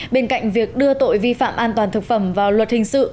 bên cạnh việc đưa tội vi phạm an toàn thực phẩm vào luật hình sự